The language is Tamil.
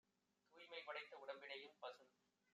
தூய்மை படைத்த உடம்பினையும் - பசுந்